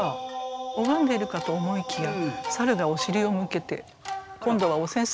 拝んでるかと思いきや猿がお尻を向けて今度はお扇子が尻尾になってます。